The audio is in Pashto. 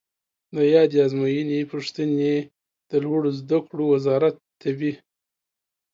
د یادې آزموینې پوښتنې د لوړو زده کړو وزارت طبي